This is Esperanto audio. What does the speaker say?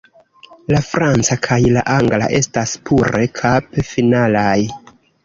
La franca kaj la angla estas pure kap-finalaj.